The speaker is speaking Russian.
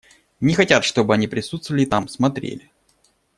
Не хотят, чтобы они присутствовали там, смотрели.